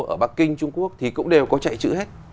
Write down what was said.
ở bắc kinh trung quốc thì cũng đều có chạy chữ hết